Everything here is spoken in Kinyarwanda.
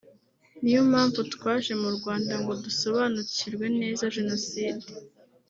niyo mpamvu twaje mu Rwanda ngo dusobanukirwe neza Jenoside